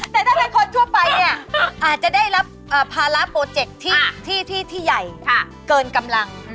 แต่ถ้าเป็นคนทั่วไปเนี่ยอาจจะได้รับภาระโปรเจคที่ใหญ่เกินกำลัง